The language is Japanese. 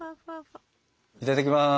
いただきます。